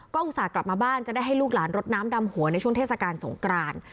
อุตส่าห์กลับมาบ้านจะได้ให้ลูกหลานรดน้ำดำหัวในช่วงเทศกาลสงกราน